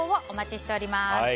お待ちしております。